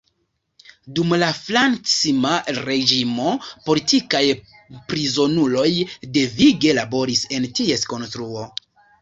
Dum la Frankisma reĝimo, politikaj prizonuloj devige laboris en ties konstruo.